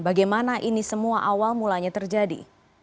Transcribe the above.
bagaimana ini semua awal mulanya terjadi